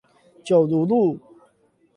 九如路